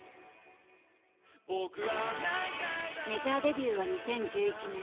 メジャーデビューは２０１１年。